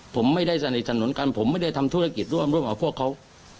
ผมไม่ได้สนิทสนมกันผมไม่ได้ทำธุรกิจร่วมร่วมกับพวกเขา